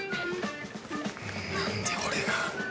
何で俺が。